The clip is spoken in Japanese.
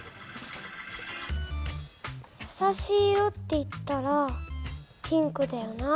やさしい色っていったらピンクだよな。